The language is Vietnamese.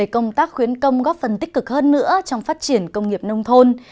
có phần tích cực hơn nữa trong phát triển công nghiệp nông thôn